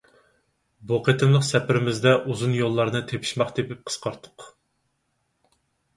بۇ قېتىملىق سەپىرىمىزدە ئۇزۇن يوللارنى تېپىشماق تېپىپ قىسقارتتۇق.